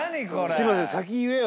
すいません